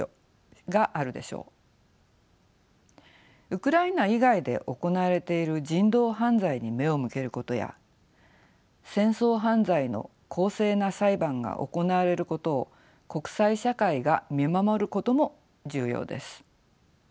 ウクライナ以外で行われている人道犯罪に目を向けることや戦争犯罪の公正な裁判が行われることを国際社会が見守ることも重要です。